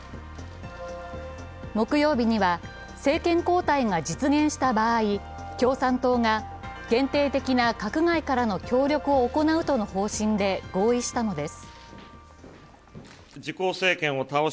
木曜日には政権交代が実現した場合、共産党が限定的な閣外からの協力を行うとの方針で合意したのです。